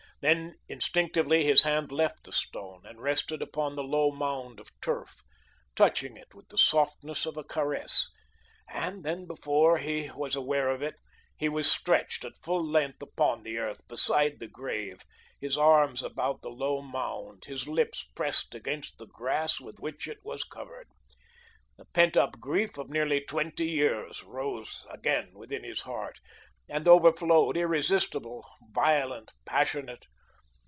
Then instinctively his hand left the stone and rested upon the low mound of turf, touching it with the softness of a caress; and then, before he was aware of it, he was stretched at full length upon the earth, beside the grave, his arms about the low mound, his lips pressed against the grass with which it was covered. The pent up grief of nearly twenty years rose again within his heart, and overflowed, irresistible, violent, passionate.